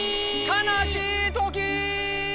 かなしいときー！